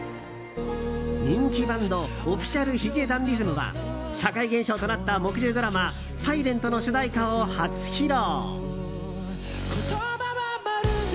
人気バンドＯｆｆｉｃｉａｌ髭男ｄｉｓｍは社会現象となった木１０ドラマ「ｓｉｌｅｎｔ」の主題歌を初披露。